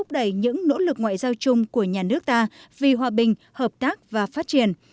đẩy những nỗ lực ngoại giao chung của nhà nước ta vì hòa bình hợp tác và phát triển